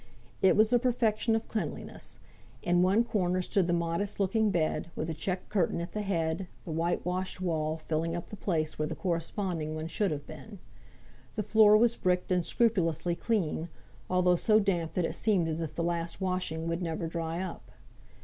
It was the perfection of cleanliness: in one corner stood the modest looking bed, with a check curtain at the head, the whitewashed wall filling up the place where the corresponding one should have been. The floor was bricked, and scrupulously clean, although so damp that it seemed as if the last washing would never dry up.